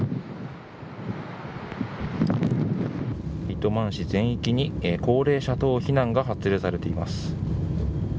糸満市全域に高齢者等避難が発令されています。